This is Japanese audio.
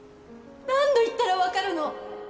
何度言ったらわかるの！？